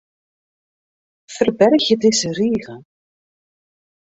Ferbergje dizze rige.